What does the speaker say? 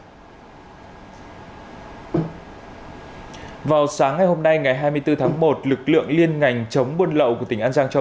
vào sáng ngày hôm nay ngày hai mươi bốn tháng một lực lượng liên ngành chống buôn lậu của tỉnh an giang cho